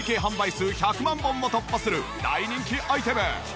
数１００万本も突破する大人気アイテム。